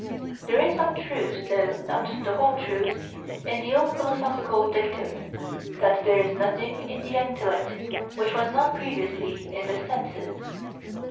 There is some truth, though not the whole truth, in the old philosophical dictum, that there is nothing in the intellect which was not previously in the senses.